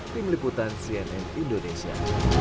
tim liputan cnn indonesia